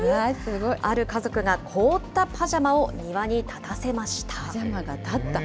ある家族が凍ったパジャマを庭に立たせました。